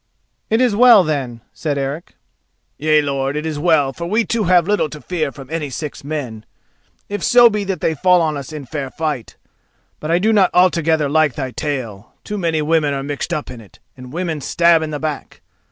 "It is well, then," said Eric. "Yea, lord, it is well, for we two have little to fear from any six men, if so be that they fall on us in fair fight. But I do not altogether like thy tale. Too many women are mixed up in it, and women stab in the back.